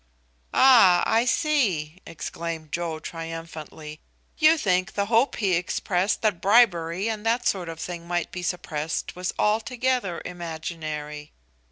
"Ah, I see," exclaimed Joe triumphantly, "you think the hope he expressed that bribery and that sort of thing might be suppressed was altogether imaginary?"